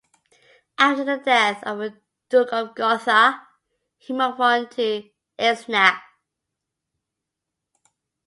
After the death of the Duke of Gotha he moved on to Eisenach.